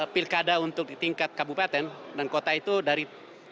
pilkada untuk tingkat kabupaten dan kota itu dari tujuh